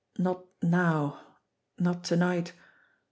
Not now ! Not to night